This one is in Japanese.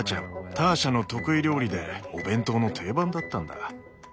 ターシャの得意料理でお弁当の定番だったんだ。